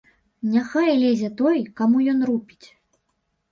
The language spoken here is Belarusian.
Няхай лезе той, каму ён рупіць.